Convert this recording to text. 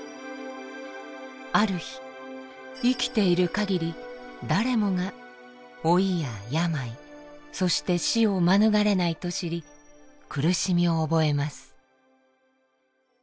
ある日生きているかぎり誰もが老いや病そして死を免れないと知り苦しみを覚えます。